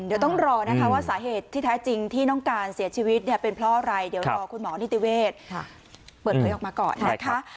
เดี๋ยวต้องรอนะคะว่าสาเหตุที่แท้จริงที่น้องการเสียชีวิตเนี่ยเป็นเพราะอะไรเดี๋ยวรอคุณหมอนิติเวศเปิดเผยออกมาก่อนนะคะ